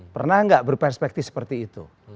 pernah nggak berperspektif seperti itu